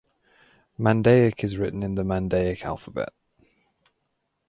Mandaic is written in the Mandaic alphabet.